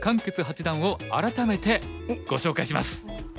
傑八段を改めてご紹介します。